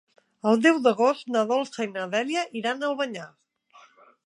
El deu d'agost na Dolça i na Dèlia iran a Albanyà.